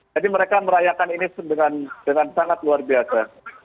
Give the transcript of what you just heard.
jadi mereka merayakan ini dengan sangat luar biasa